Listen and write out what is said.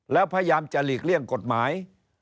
แล้วพยายามจะหลีกเลี่ยงกฎหมาย